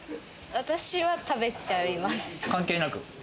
私は食べちゃいます。